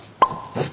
えっ！？